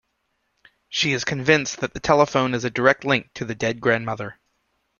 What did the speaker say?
She is convinced that the telephone is a direct link to the dead grandmother.